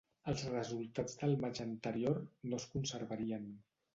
Els resultats del matx anterior no es conservarien.